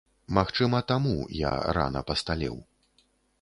Магчыма таму, я рана пасталеў.